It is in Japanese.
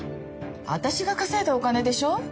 私が稼いだお金でしょ？